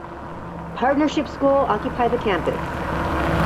Partnership School occupy the campus.